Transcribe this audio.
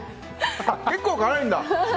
結構、辛いんだ。